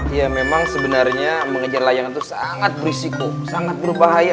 ya memang sebenarnya mengejar layangan itu sangat berisiko sangat berbahaya